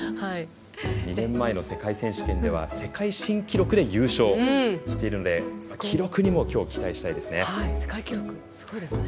２年前の世界選手権では世界新記録で優勝しているので記録にもきょう期待したいですね。